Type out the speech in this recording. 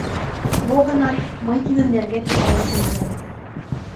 Мо-гынат, мый тидын нерген почеламутым возем.